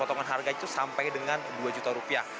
potongan harga itu sampai dengan dua juta rupiah